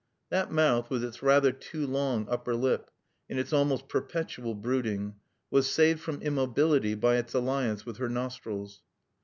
That mouth with its rather too long upper lip and its almost perpetual brooding was saved from immobility by its alliance with her nostrils.